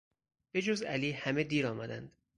به جز علی همه دیر آمدند.